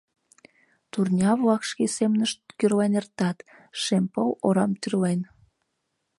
Турня-влак шке семынышт гӱрлен Эртат, шем пыл орам тӱрлен.